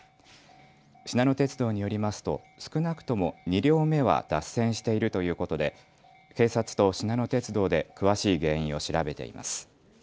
しなの鉄道によりますと少なくとも２両目は脱線しているということで警察としなの鉄道で詳しい原因を調べています。